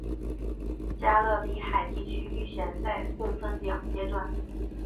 加勒比海地区预选赛共分两阶段。